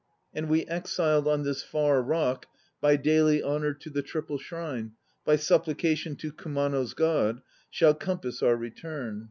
And we exiled on this far rock, By daily honour to the Triple Shrine, By supplication to Kumano's God, Shall compass our return.